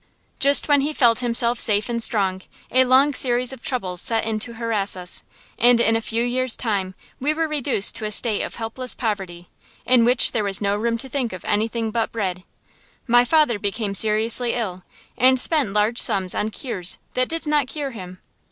Just when he felt himself safe and strong, a long series of troubles set in to harass us, and in a few years' time we were reduced to a state of helpless poverty, in which there was no room to think of anything but bread. My father became seriously ill, and spent large sums on cures that did not cure him.